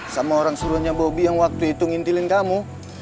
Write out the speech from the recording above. sama orang suruhnya bobi yang waktu itu ngintilin kamu